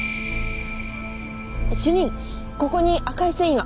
主任ここに赤い繊維が。